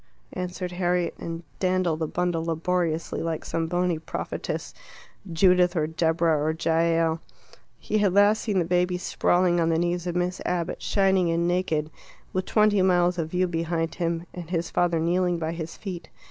answered Harriet, and dandled the bundle laboriously, like some bony prophetess Judith, or Deborah, or Jael. He had last seen the baby sprawling on the knees of Miss Abbott, shining and naked, with twenty miles of view behind him, and his father kneeling by his feet.